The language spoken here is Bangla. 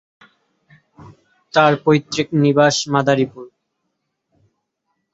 তার পৈত্রিক নিবাস মাদারীপুর।